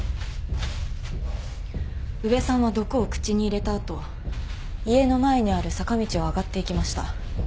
宇部さんは毒を口に入れた後家の前にある坂道を上がっていきました。